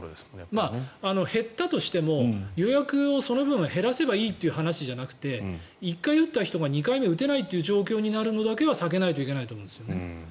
減ったとしても予約をその分、減らせばいいという話ではなくて１回打った人が２回目打てないという状況になるのだけは避けないといけないと思うんですよね。